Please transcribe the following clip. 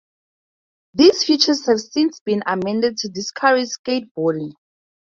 These features have since been amended to discourage skateboarding.